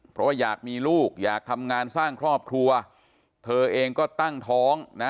เพราะว่าอยากมีลูกอยากทำงานสร้างครอบครัวเธอเองก็ตั้งท้องนะ